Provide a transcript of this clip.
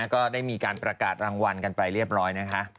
ก็ได้มีการประกาศรางวัลกันไปเรียบร้อยนะคะ